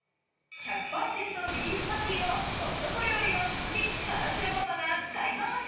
１００％ビーフパティをコストコ料理の達人・金城ママが使いまわし。